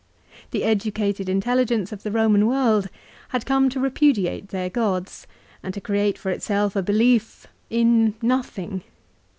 The educated intelligence of the Eoman world had come to repudiate their gods, and to create for itself a belief, in nothing.